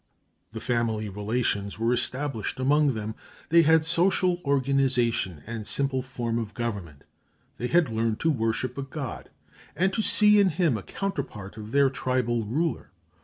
The family relations were established among them; they had some social organization and simple form of government; they had learned to worship a god, and to see in him a counterpart of their tribal ruler.